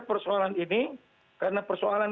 persoalan ini karena persoalan